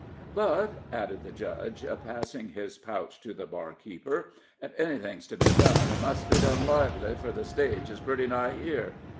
But," added the judge, passing his pouch to the barkeeper, "if anything's to be done, it must be done lively, fur the stage is pretty nigh here.